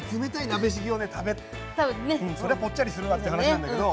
そりゃぽっちゃりするわって話なんだけど。